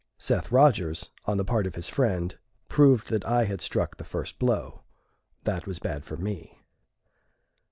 Seth Rodgers, on the part of his friend, proved that I had struck the first blow. That was bad for me.